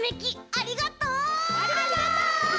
ありがとう！